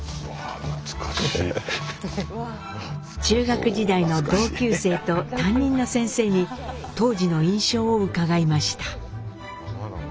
中学時代の同級生と担任の先生に当時の印象を伺いました。